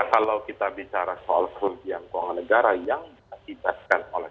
kalau kita bicara soal korupsi yang kecil itu adalah korupsi yang sedang